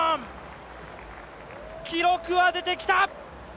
記録は出てきた！